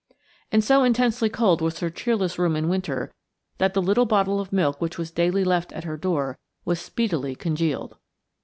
And so intensely cold was her cheerless room in winter that the little bottle of milk which was daily left at her door was speedily congealed.